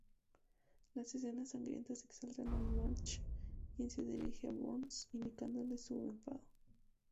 Las escenas sangrientas exaltan a Marge, quien se dirige a Burns indicándole su enfado.